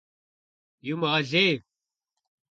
Иумыгъэлей!